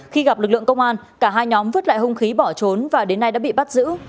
khi gặp lực lượng công an cả hai nhóm vứt lại hung khí bỏ trốn và đến nay đã bị bắt giữ